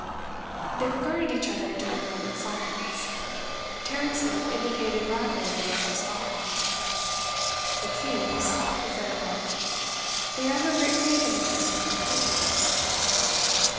They regarded each other during a moment's silence. Tarrant's look indicated rapid and anxious thought. 'It seems,' he said at length, 'that you have no great faith in the person who told you this.